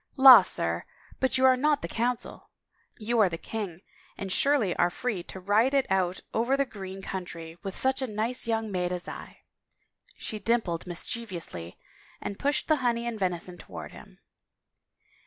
" La, sir, but you are not the Coimcil ! You are the king and surely are free to ride it out over the green country with such a nice young maid as I ?" She dim pled mischievously and pushed the honey and venison towards him.